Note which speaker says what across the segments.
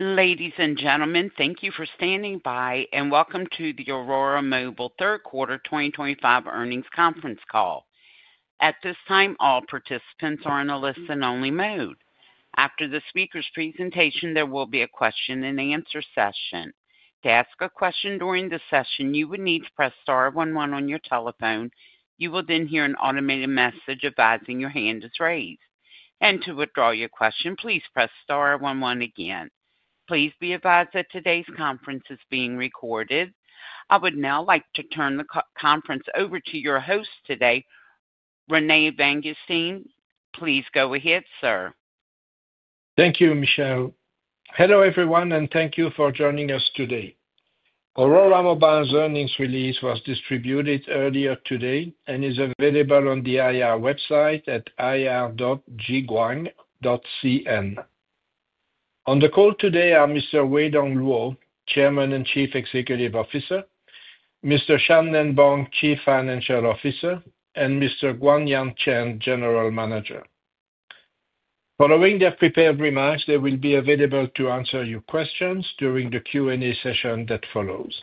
Speaker 1: Ladies and gentlemen, thank you for standing by, and welcome to the Aurora Mobile Third Quarter 2025 earnings conference call. At this time, all participants are in a listen-only mode. After the speaker's presentation, there will be a question-and-answer session. To ask a question during the session, you would need to press *11 on your telephone. You will then hear an automated message advising your hand is raised. To withdraw your question, please press *11 again. Please be advised that today's conference is being recorded. I would now like to turn the conference over to your host today, René Vanguestaine. Please go ahead, sir.
Speaker 2: Thank you, Michelle. Hello everyone, and thank you for joining us today. Aurora Mobile's earnings release was distributed earlier today and is available on the IR website at ir.gguang.cn. On the call today are Mr. Weidong Luo, Chairman and Chief Executive Officer, Mr. Shan-Nen Bong, Chief Financial Officer, and Mr. Guangyan Chen, General Manager. Following their prepared remarks, they will be available to answer your questions during the Q&A session that follows.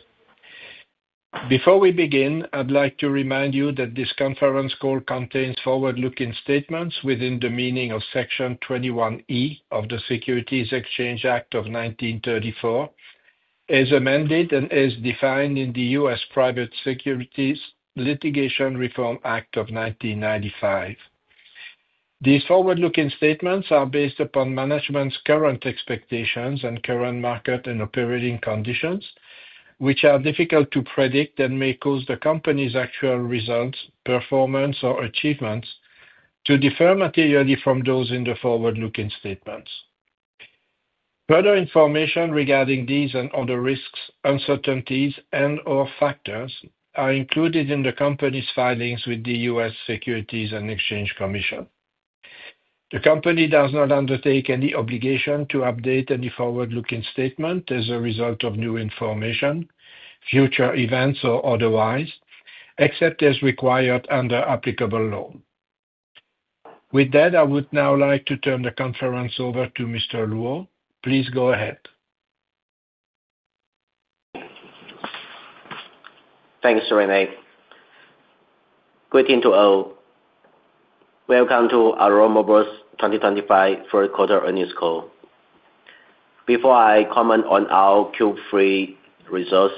Speaker 2: Before we begin, I'd like to remind you that this conference call contains forward-looking statements within the meaning of Section 21E of the Securities Exchange Act of 1934, as amended and as defined in the U.S. Private Securities Litigation Reform Act of 1995. These forward-looking statements are based upon management's current expectations and current market and operating conditions, which are difficult to predict and may cause the company's actual results, performance, or achievements to differ materially from those in the forward-looking statements. Further information regarding these and other risks, uncertainties, and/or factors are included in the company's filings with the U.S. Securities and Exchange Commission. The company does not undertake any obligation to update any forward-looking statement as a result of new information, future events, or otherwise, except as required under applicable law. With that, I would now like to turn the conference over to Mr. Luo. Please go ahead.
Speaker 3: Thanks, René. Good evening to all. Welcome to Aurora Mobile's 2025 Third Quarter earnings call. Before I comment on our Q3 results,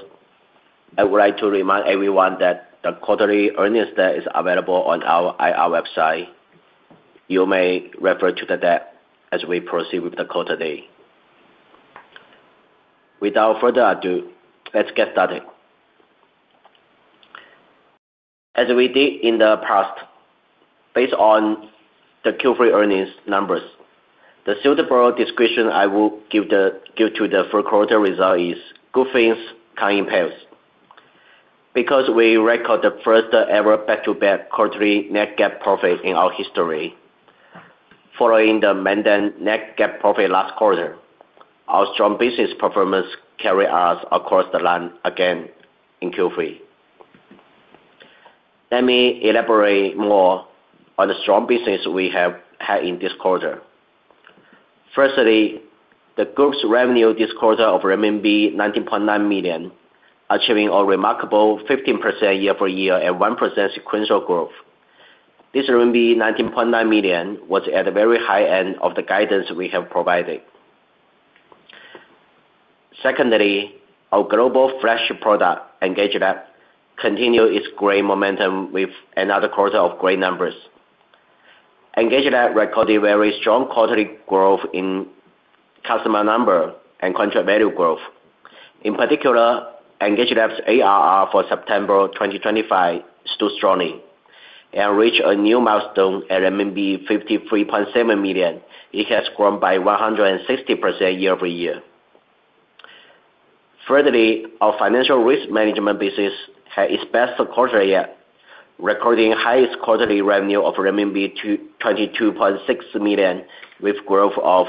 Speaker 3: I would like to remind everyone that the quarterly earnings data is available on our IR website. You may refer to the data as we proceed with the call today. Without further ado, let's get started. As we did in the past, based on the Q3 earnings numbers, the suitable description I will give to the third quarter result is "good things come in pairs." Because we record the first-ever back-to-back quarterly net GAAP profit in our history, following the maintained net GAAP profit last quarter, our strong business performance carried us across the line again in Q3. Let me elaborate more on the strong business we have had in this quarter. Firstly, the group's revenue this quarter of RMB 19.9 million, achieving a remarkable 15% year-over-year and 1% sequential growth. This RMB 19.9 million was at the very high end of the guidance we have provided. Secondly, our global flagship product, EngageLab, continued its great momentum with another quarter of great numbers. EngageLab recorded very strong quarterly growth in customer number and contract value growth. In particular, EngageLab's ARR for September 2025 stood strongly and reached a new milestone at RMB 53.7 million. It has grown by 160% year-over-year. Thirdly, our Financial Risk Management business had its best quarter yet, recording highest quarterly revenue of RMB 22.6 million with growth of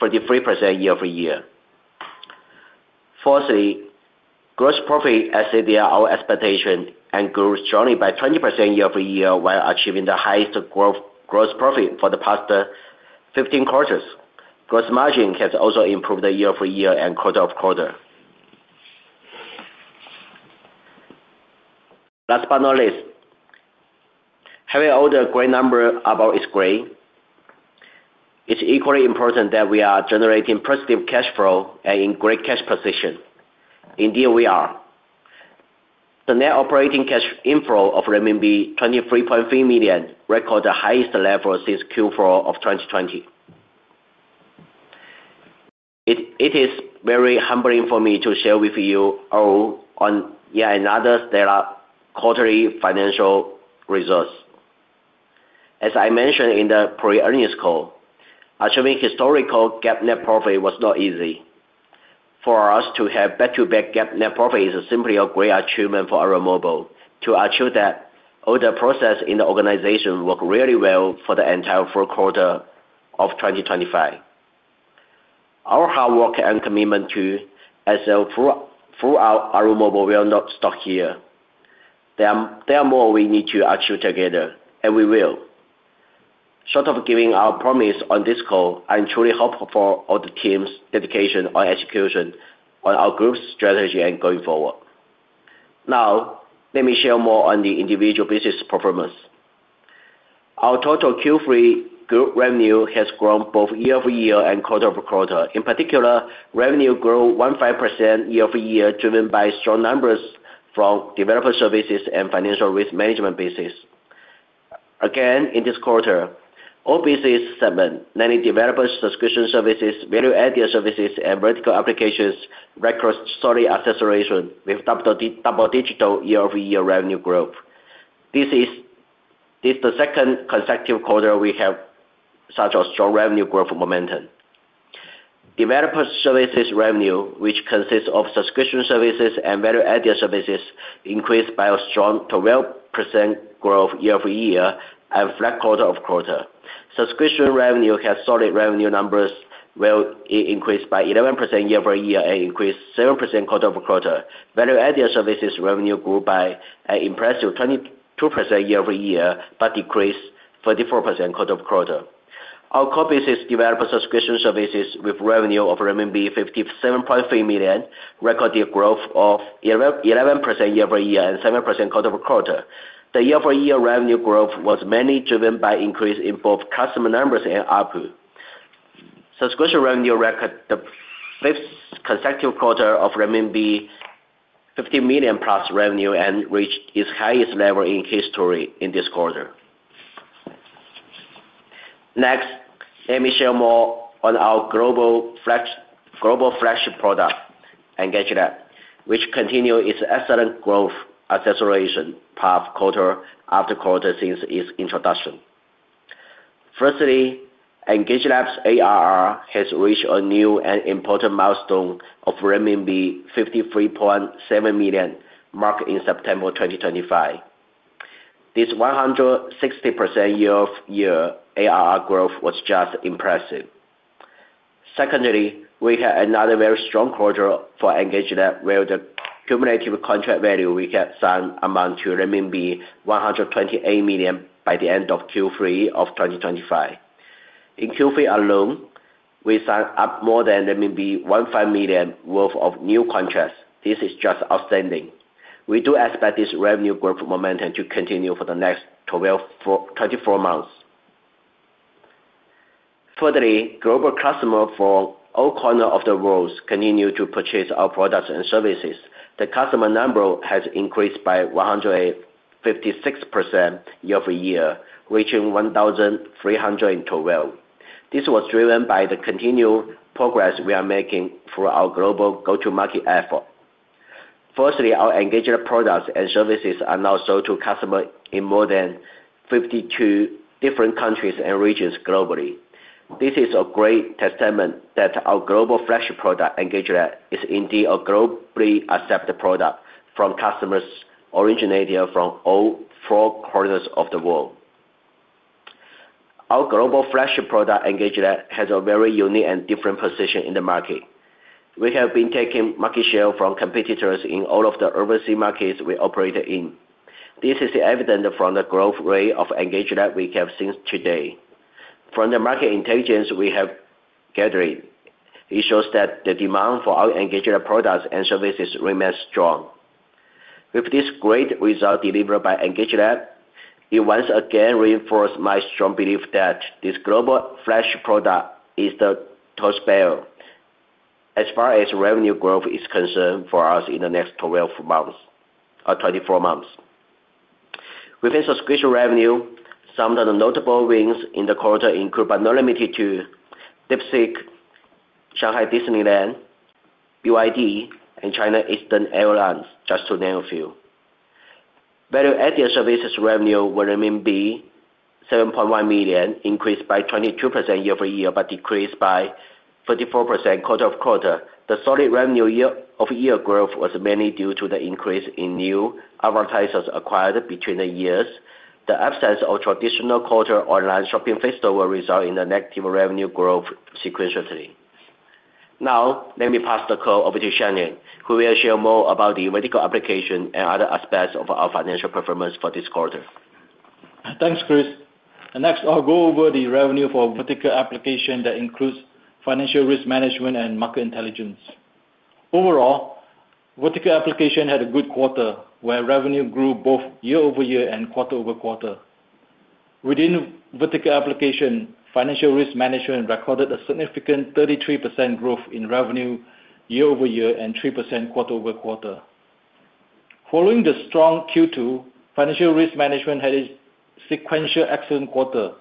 Speaker 3: 43% year-over-year. Fourthly, gross profit exceeded our expectations and grew strongly by 20% year-over-year while achieving the highest gross profit for the past 15 quarters. Gross margin has also improved year-over-year and quarter-over-quarter. Last but not least, having all the great numbers above is great. It's equally important that we are generating positive cash flow and in great cash position. Indeed, we are. The net operating cash inflow of RMB 23.3 million recorded the highest level since Q4 of 2020. It is very humbling for me to share with you all on yet another quarterly financial results. As I mentioned in the pre-earnings call, achieving historical GAAP net profit was not easy. For us to have back-to-back GAAP net profit is simply a great achievement for Aurora Mobile to achieve that, all the process in the organization worked really well for the entire fourth quarter of 2025. Our hard work and commitment to excel throughout Aurora Mobile will not stop here. There are more we need to achieve together, and we will. Short of giving our promise on this call, I truly hope for all the team's dedication and execution on our group's strategy and going forward. Now, let me share more on the individual business performance. Our total Q3 group revenue has grown both year-over-year and quarter-over-quarter. In particular, revenue grew 15% year-over-year driven by strong numbers from developer services and financial risk management business. Again, in this quarter, all business segments, mainly developer subscription services, value-added services, and vertical applications recorded solid acceleration with double-digit year-over-year revenue growth. This is the second consecutive quarter we have such a strong revenue growth momentum. Developer services revenue, which consists of subscription services and value-added services, increased by a strong 12% growth year-over-year and flat quarter-over-quarter. Subscription revenue has solid revenue numbers where it increased by 11% year-over-year and increased 7% quarter-over-quarter. Value-Added Services revenue grew by an impressive 22% year-over-year but decreased 34% quarter-over-quarter. Our core business, Developer Subscription Services, with revenue of RMB 57.3 million, recorded growth of 11% year-over-year and 7% quarter-over-quarter. The year-over-year revenue growth was mainly driven by increase in both customer numbers and output. Subscription revenue recorded the fifth consecutive quarter of renminbi 50 million plus revenue and reached its highest level in history in this quarter. Next, let me share more on our global flagship product, EngageLab, which continued its excellent growth acceleration path quarter after quarter since its introduction. Firstly, EngageLab's ARR has reached a new and important milestone of RMB 53.7 million marked in September 2025. This 160% year-over-year ARR growth was just impressive. Secondly, we had another very strong quarter for EngageLab where the cumulative contract value we had signed amounted to renminbi 128 million by the end of Q3 of 2025. In Q3 alone, we signed up more than 15 million worth of new contracts. This is just outstanding. We do expect this revenue growth momentum to continue for the next 24 months. Furtherly, global customers from all corners of the world continue to purchase our products and services. The customer number has increased by 156% year-over-year, reaching 1,312. This was driven by the continued progress we are making for our global go-to-market effort. Firstly, our EngageLab products and services are now sold to customers in more than 52 different countries and regions globally. This is a great testament that our global flagship product, EngageLab, is indeed a globally accepted product from customers originating from all four corners of the world. Our global flagship product, EngageLab, has a very unique and different position in the market. We have been taking market share from competitors in all of the overseas markets we operate in. This is evident from the growth rate of EngageLab we have seen today. From the market intelligence we have gathered, it shows that the demand for our EngageLab products and services remains strong. With this great result delivered by EngageLab, it once again reinforced my strong belief that this global flagship product is the tallest bell as far as revenue growth is concerned for us in the next 12 months or 24 months. Within subscription revenue, some of the notable wins in the quarter include, but not limited to, DeepSeek, Shanghai Disneyland, BYD, and China Eastern Airlines, just to name a few. Value-added services revenue were 7.1 million, increased by 22% year-over-year but decreased by 34% quarter-over-quarter. The solid revenue year-over-year growth was mainly due to the increase in new advertisers acquired between the years. The absence of traditional quarter online shopping festival resulted in the negative revenue growth sequentially. Now, let me pass the call over to Shan-Nen, who will share more about the vertical application and other aspects of our financial performance for this quarter.
Speaker 4: Thanks, Chris. Next, I'll go over the revenue for vertical application that includes Financial Risk Management and Market Intelligence. Overall, vertical application had a good quarter where revenue grew both year-over-year and quarter-over-quarter. Within vertical application, Financial Risk Management recorded a significant 33% growth in revenue year-over-year and 3% quarter-over-quarter. Following the strong Q2, Financial Risk Management had its sequential excellent quarter.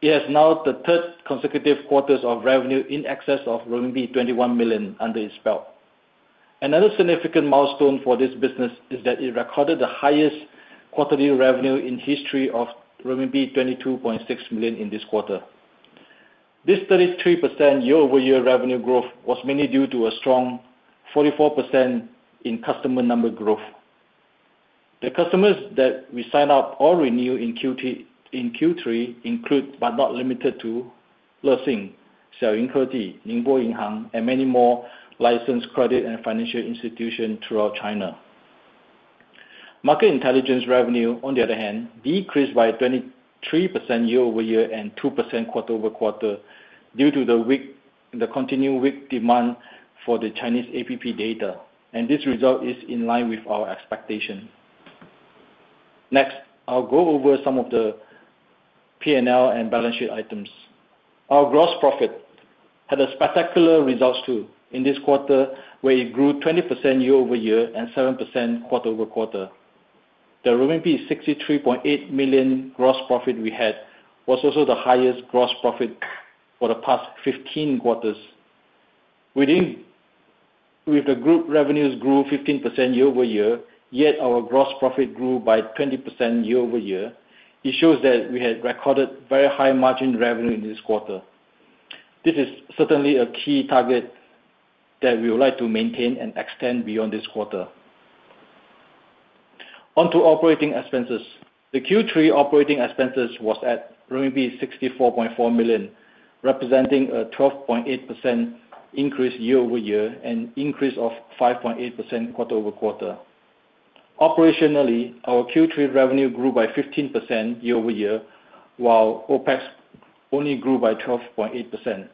Speaker 4: It has now the third consecutive quarter of revenue in excess of RMB 21 million under its belt. Another significant milestone for this business is that it recorded the highest quarterly revenue in history of RMB 22.6 million in this quarter. This 33% year-over-year revenue growth was mainly due to a strong 44% in customer number growth. The customers that we signed up or renewed in Q3 include, but not limited to, LESING, Saoying Herti, Ningbo Bank, and many more licensed credit and financial institutions throughout China. Market Intelligence revenue, on the other hand, decreased by 23% year-over-year and 2% quarter-over-quarter due to the continued weak demand for the Chinese app data, and this result is in line with our expectation. Next, I'll go over some of the P&L and balance sheet items. Our gross profit had a spectacular result too in this quarter where it grew 20% year-over-year and 7% quarter-over-quarter. The 63.8 million gross profit we had was also the highest gross profit for the past 15 quarters. With the group revenues grew 15% year-over-year, yet our gross profit grew by 20% year-over-year, it shows that we had recorded very high margin revenue in this quarter. This is certainly a key target that we would like to maintain and extend beyond this quarter. On to operating expenses. The Q3 operating expenses was at RMB 64.4 million, representing a 12.8% increase year-over-year and an increase of 5.8% quarter-over-quarter. Operationally, our Q3 revenue grew by 15% year-over-year, while OPEX only grew by 12.8%.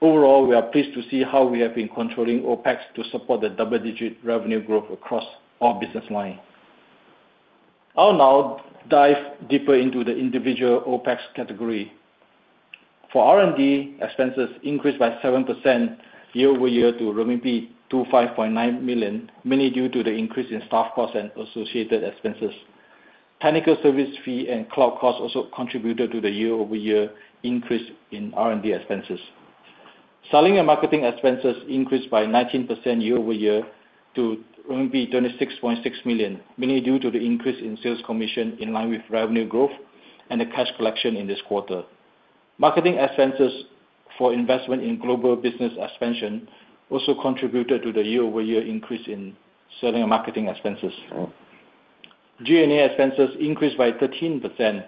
Speaker 4: Overall, we are pleased to see how we have been controlling OPEX to support the double-digit revenue growth across our business line. I'll now dive deeper into the individual OPEX category. For R&D expenses, increased by 7% year-over-year to 25.9 million, mainly due to the increase in staff costs and associated expenses. Technical service fee and cloud costs also contributed to the year-over-year increase in R&D expenses. Selling and marketing expenses increased by 19% year-over-year to 26.6 million, mainly due to the increase in sales commission in line with revenue growth and the cash collection in this quarter. Marketing expenses for investment in global business expansion also contributed to the year-over-year increase in selling and marketing expenses. G&A expenses increased by 13%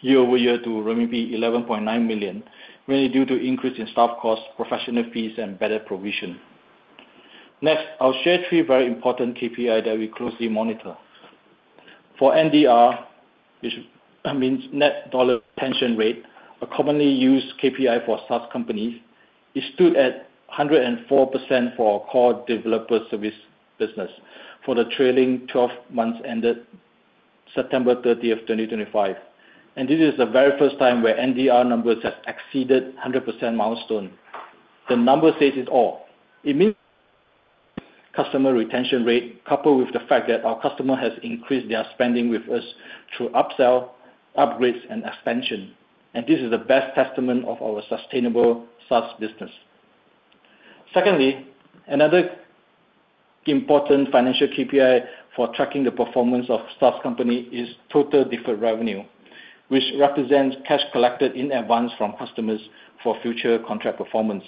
Speaker 4: year-over-year to RMB 11.9 million, mainly due to increase in staff costs, professional fees, and better provision. Next, I'll share three very important KPIs that we closely monitor. For NDR, which means Net Dollar Retention Rate, a commonly used KPI for SaaS companies, it stood at 104% for our core developer service business for the trailing 12 months ended September 30, 2025. This is the very first time where NDR numbers have exceeded 100% milestone. The number says it all. It means customer retention rate coupled with the fact that our customers have increased their spending with us through upsell, upgrades, and expansion. This is the best testament of our sustainable SaaS business. Secondly, another important financial KPI for tracking the performance of SaaS companies is total deferred revenue, which represents cash collected in advance from customers for future contract performance,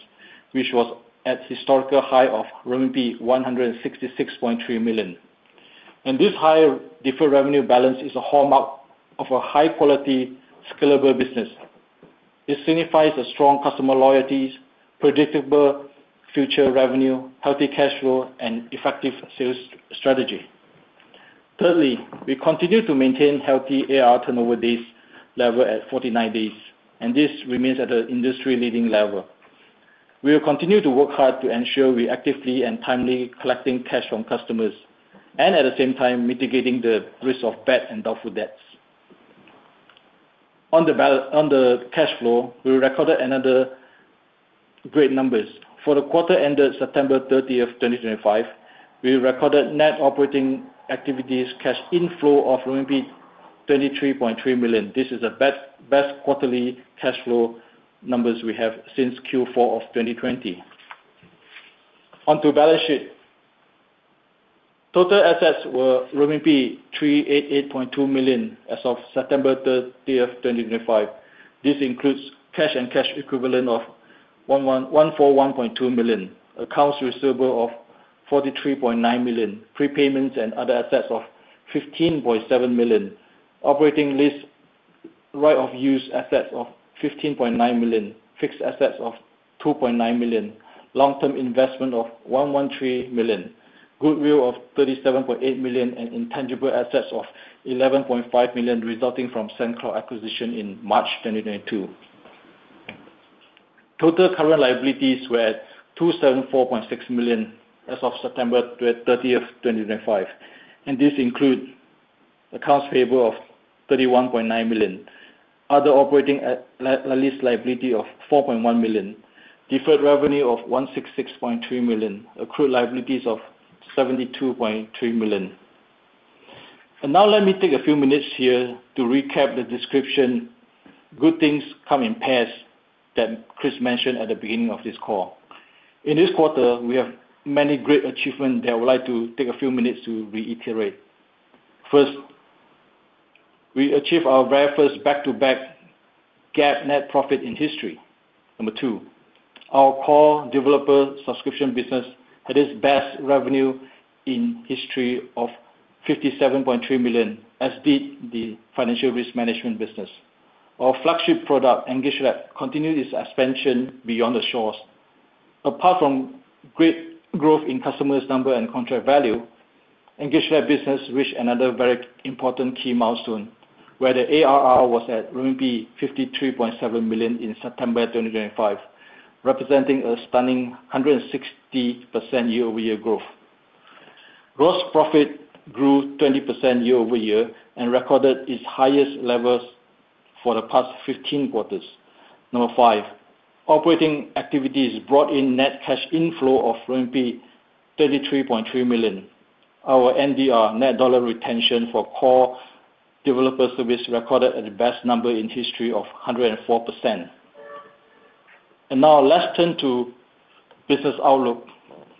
Speaker 4: which was at a historical high of RMB 166.3 million. This high deferred revenue balance is a hallmark of a high-quality, scalable business. It signifies strong customer loyalty, predictable future revenue, healthy cash flow, and effective sales strategy. Thirdly, we continue to maintain healthy AR turnover days level at 49 days, and this remains at an industry-leading level. We will continue to work hard to ensure we are actively and timely collecting cash from customers and, at the same time, mitigating the risk of bad and doubtful debts. On the cash flow, we recorded another great number. For the quarter ended September 30, 2025, we recorded net operating activities cash inflow of RMB 23.3 million. This is the best quarterly cash flow numbers we have since Q4 of 2020. On to balance sheet. Total assets were 388.2 million as of September 30, 2025. This includes cash and cash equivalent of 141.2 million, accounts receivable of 43.9 million, prepayments and other assets of 15.7 million, operating lease right-of-use assets of 15.9 million, fixed assets of 2.9 million, long-term investment of 113 million, goodwill of 37.8 million, and intangible assets of 11.5 million resulting from SAN-CLAW acquisition in March 2022. Total current liabilities were at 274.6 million as of September 30, 2025. This includes accounts payable of 31.9 million, other operating lease liability of 4.1 million, deferred revenue of 166.3 million, accrued liabilities of 72.3 million. Let me take a few minutes here to recap the description, "Good things come in pairs," that Chris mentioned at the beginning of this call. In this quarter, we have many great achievements that I would like to take a few minutes to reiterate. First, we achieved our very first back-to-back GAAP net profit in history. Number two, our core developer subscription business had its best revenue in history of 57.3 million, as did the financial risk management business. Our flagship product, EngageLab, continued its expansion beyond the shores. Apart from great growth in customers' number and contract value, EngageLab business reached another very important key milestone where the ARR was at RMB 53.7 million in September 2025, representing a stunning 160% year-over-year growth. Gross profit grew 20% year-over-year and recorded its highest levels for the past 15 quarters. Number five, operating activities brought in net cash inflow of RMB 33.3 million. Our NDR, net dollar retention for core developer service, recorded at the best number in history of 104%. Now, let's turn to business outlook.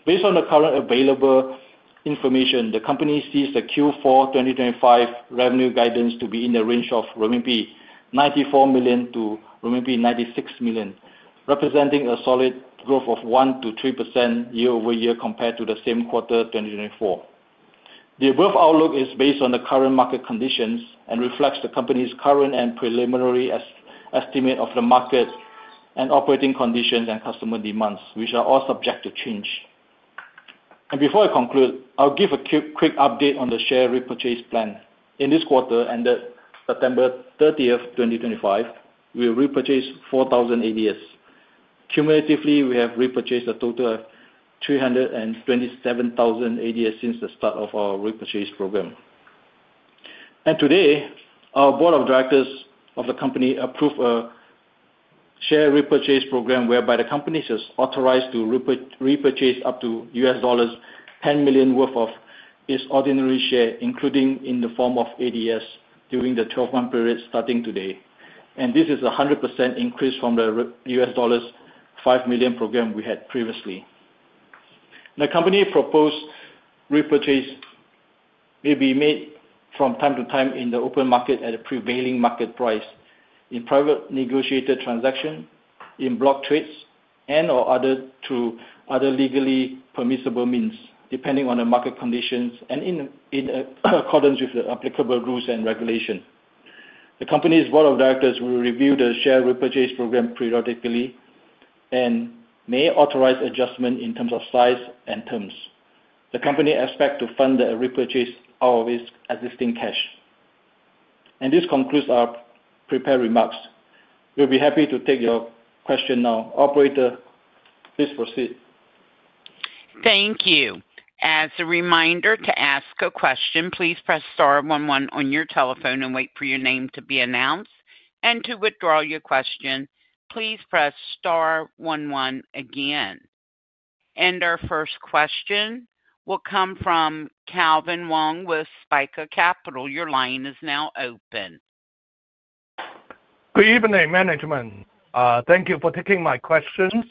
Speaker 4: Based on the current available information, the company sees the Q4 2025 revenue guidance to be in the range of 94 million-96 million RMB, representing a solid growth of 1%-3% year-over-year compared to the same quarter 2024. The above outlook is based on the current market conditions and reflects the company's current and preliminary estimate of the market and operating conditions and customer demands, which are all subject to change. Before I conclude, I'll give a quick update on the share repurchase plan. In this quarter ended September 30, 2025, we repurchased 4,000 ADS. Cumulatively, we have repurchased a total of 327,000 ADS since the start of our repurchase program. Today, our board of directors of the company approved a share repurchase program whereby the company is authorized to repurchase up to $10 million worth of its ordinary share, including in the form of ADS, during the 12-month period starting today. This is a 100% increase from the $5 million program we had previously. The company proposed repurchase may be made from time to time in the open market at a prevailing market price, in privately negotiated transactions, in block trades, and/or other legally permissible means, depending on the market conditions and in accordance with the applicable rules and regulations. The company's board of directors will review the share repurchase program periodically and may authorize adjustment in terms of size and terms. The company expects to fund the repurchase out of its existing cash. This concludes our prepared remarks. We'll be happy to take your question now. Operator, please proceed.
Speaker 1: Thank you. As a reminder to ask a question, please press *11 on your telephone and wait for your name to be announced. To withdraw your question, please press *11 again. Our first question will come from Calvin Wong with Spica Capital. Your line is now open.
Speaker 5: Good evening, management. Thank you for taking my questions.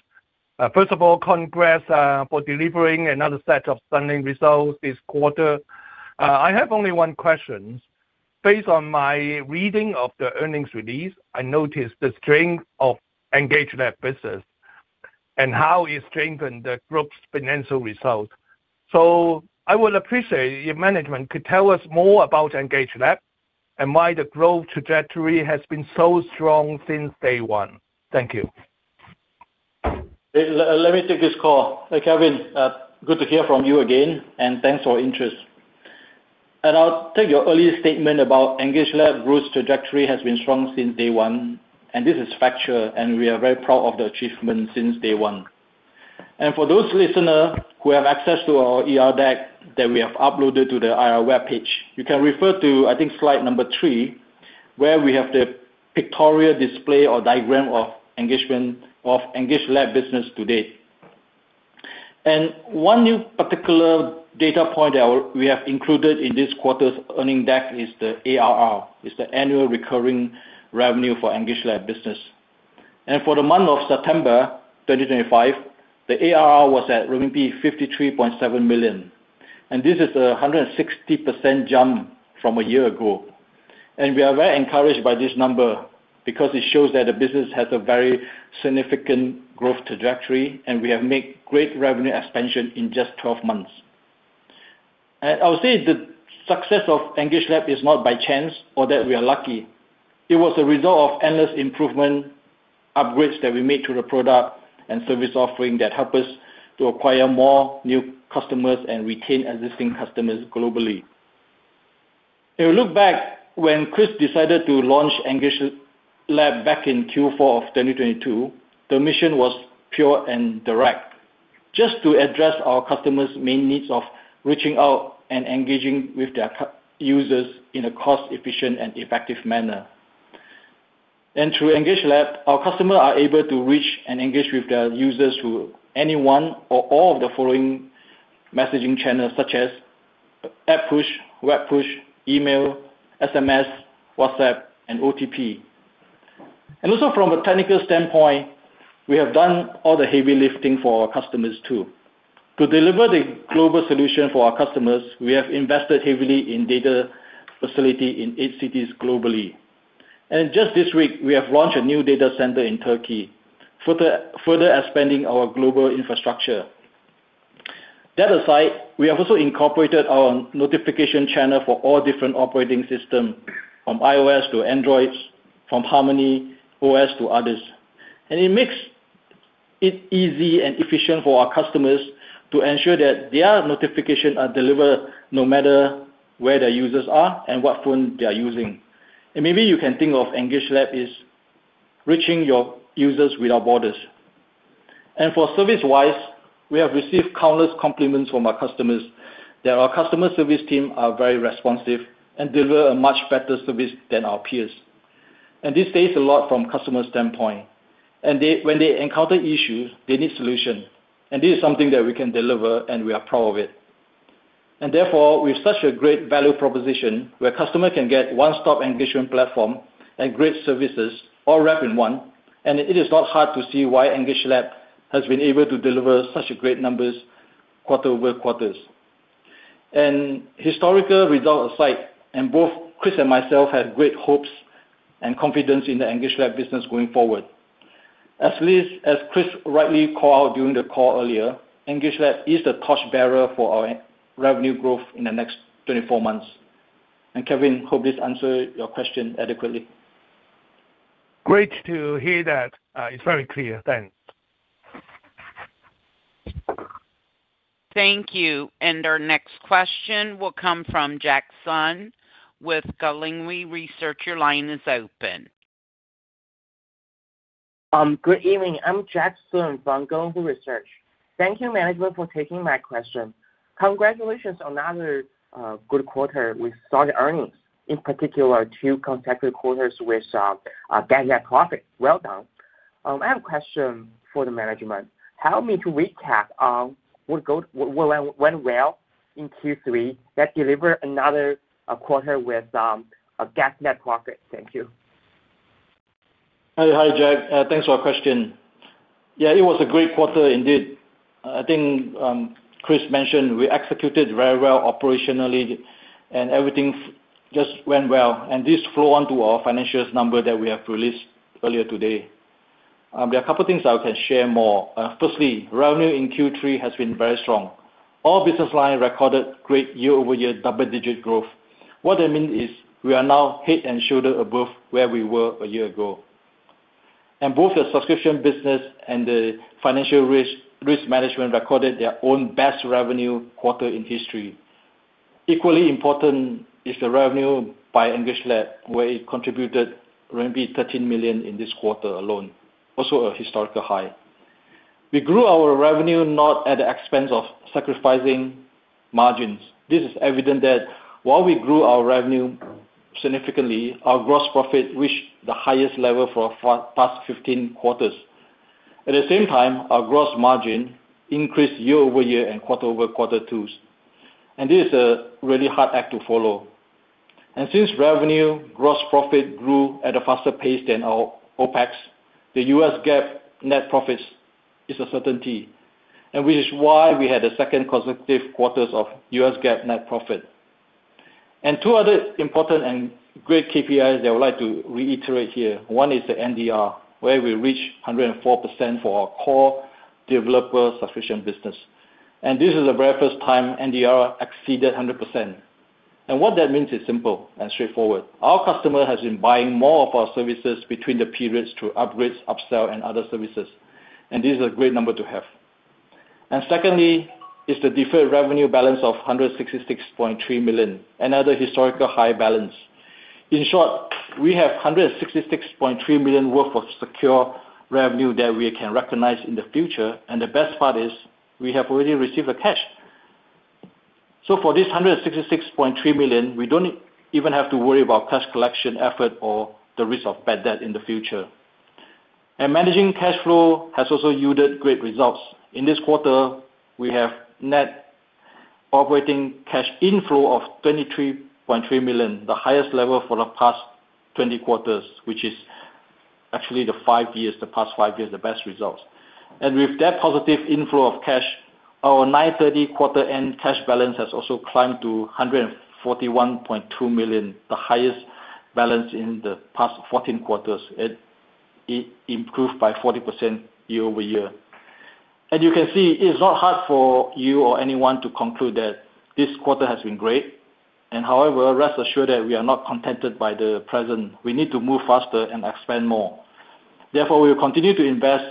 Speaker 5: First of all, congrats for delivering another set of stunning results this quarter. I have only one question. Based on my reading of the earnings release, I noticed the strength of EngageLab business and how it strengthened the group's financial results. I would appreciate if management could tell us more about EngageLab and why the growth trajectory has been so strong since day one. Thank you.
Speaker 4: Let me take this call. Hey, Calvin, good to hear from you again, and thanks for your interest. I'll take your earlier statement about EngageLab's growth trajectory has been strong since day one, this is factual, and we are very proud of the achievement since day one. For those listeners who have access to our deck that we have uploaded to the IR web page, you can refer to, I think, slide number three, where we have the pictorial display or diagram of EngageLab business to date. One new particular data point that we have included in this quarter's earnings deck is the ARR, the annual recurring revenue for EngageLab business. For the month of September 2025, the ARR was at RMB 53.7 million. This is a 160% jump from a year ago. We are very encouraged by this number because it shows that the business has a very significant growth trajectory, and we have made great revenue expansion in just 12 months. I would say the success of EngageLab is not by chance or that we are lucky. It was a result of endless improvement upgrades that we made to the product and service offering that helped us to acquire more new customers and retain existing customers globally. If we look back, when Chris decided to launch EngageLab back in Q4 of 2022, the mission was pure and direct, just to address our customers' main needs of reaching out and engaging with their users in a cost-efficient and effective manner. Through EngageLab, our customers are able to reach and engage with their users through any one or all of the following messaging channels, such as app push, web push, email, SMS, WhatsApp, and OTP. Also, from a technical standpoint, we have done all the heavy lifting for our customers too. To deliver the global solution for our customers, we have invested heavily in data facility in eight cities globally. Just this week, we have launched a new data center in Turkey, further expanding our global infrastructure. That aside, we have also incorporated our notification channel for all different operating systems, from iOS to Android, from HarmonyOS to others. It makes it easy and efficient for our customers to ensure that their notifications are delivered no matter where their users are and what phone they are using. Maybe you can think of EngageLab as reaching your users without borders. For service-wise, we have received countless compliments from our customers that our customer service team are very responsive and deliver a much better service than our peers. This says a lot from a customer standpoint. When they encounter issues, they need solution. This is something that we can deliver, and we are proud of it. Therefore, with such a great value proposition where customers can get one-stop engagement platform and great services all wrapped in one, it is not hard to see why EngageLab has been able to deliver such great numbers quarter over quarter. Historical results aside, both Chris and myself have great hopes and confidence in the EngageLab business going forward. As Chris rightly called out during the call earlier, EngageLab is the torchbearer for our revenue growth in the next 24 months. Calvin, hope this answers your question adequately.
Speaker 5: Great to hear that. It's very clear. Thanks.
Speaker 1: Thank you. Our next question will come from Jack Sun with Gelonghui Research. Your line is open.
Speaker 6: Good evening. I'm Jack Sun from Gelonghui Research. Thank you, management, for taking my question. Congratulations on another good quarter. We saw the earnings, in particular, two consecutive quarters with GAAP net profit. Well done. I have a question for the management. Help me to recap on what went well in Q3 that delivered another quarter with GAAP net profit. Thank you.
Speaker 4: Hey, hi, Jack. Thanks for the question. Yeah, it was a great quarter, indeed. I think Chris mentioned we executed very well operationally, and everything just went well. This flowed on to our financial number that we have released earlier today. There are a couple of things I can share more. Firstly, revenue in Q3 has been very strong. All business lines recorded great year-over-year double-digit growth. What that means is we are now head and shoulders above where we were a year ago. Both the subscription business and the Financial Risk Management recorded their own best revenue quarter in history. Equally important is the revenue by EngageLab, where it contributed RMB 13 million in this quarter alone, also a historical high. We grew our revenue not at the expense of sacrificing margins. This is evident that while we grew our revenue significantly, our gross profit reached the highest level for the past 15 quarters. At the same time, our gross margin increased year-over-year and quarter-over-quarter too. This is a really hard act to follow. Since revenue and gross profit grew at a faster pace than our OPEX, the U.S. GAAP net profit is a certainty, which is why we had the second consecutive quarters of U.S. GAAP net profit. Two other important and great KPIs that I would like to reiterate here. One is the NDR, where we reached 104% for our core developer subscription business. This is the very first time NDR exceeded 100%. What that means is simple and straightforward. Our customer has been buying more of our services between the periods through upgrades, upsells, and other services. This is a great number to have. Secondly, it's the deferred revenue balance of 166.3 million, another historical high balance. In short, we have 166.3 million worth of secure revenue that we can recognize in the future. The best part is we have already received the cash. For this 166.3 million, we don't even have to worry about cash collection effort or the risk of bad debt in the future. Managing cash flow has also yielded great results. In this quarter, we have net operating cash inflow of 23.3 million, the highest level for the past 20 quarters, which is actually the past five years the best results. With that positive inflow of cash, our September 30 quarter-end cash balance has also climbed to 141.2 million, the highest balance in the past 14 quarters. It improved by 40% year-over-year. You can see it's not hard for you or anyone to conclude that this quarter has been great. However, rest assured that we are not contented by the present. We need to move faster and expand more. Therefore, we will continue to invest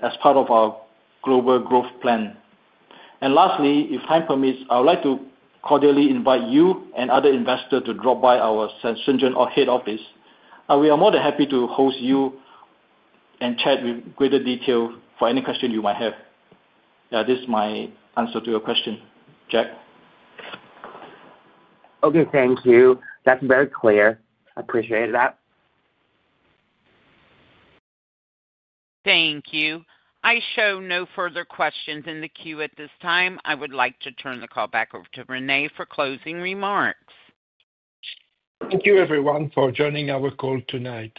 Speaker 4: as part of our global growth plan. Lastly, if time permits, I would like to cordially invite you and other investors to drop by our Shenzhen head office. We are more than happy to host you and chat with greater detail for any question you might have. Yeah, this is my answer to your question, Jack.
Speaker 6: Okay, thank you. That's very clear. I appreciate that.
Speaker 1: Thank you. I show no further questions in the queue at this time. I would like to turn the call back over to René for closing remarks.
Speaker 2: Thank you, everyone, for joining our call tonight.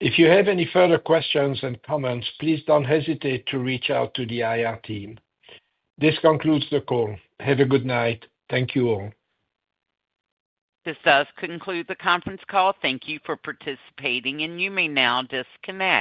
Speaker 2: If you have any further questions and comments, please do not hesitate to reach out to the IR team. This concludes the call. Have a good night. Thank you all.
Speaker 1: This does conclude the conference call. Thank you for participating, and you may now disconnect.